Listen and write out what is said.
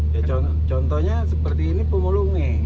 ya contohnya seperti ini pemulung